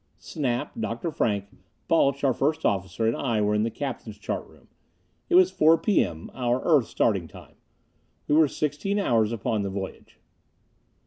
Snap, Dr. Frank, Balch, our first officer, and I were in the captain's chart room. It was 4 P. M. our Earth starting time. We were sixteen hours upon our voyage.